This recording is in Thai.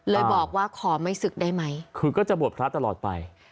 เลยบอกว่าขอไม่ศึกได้ไหมคือก็จะบวชพระตลอดไป